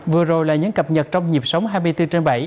vừa rồi là những cập nhật trong nhịp sống hai mươi bốn trên bảy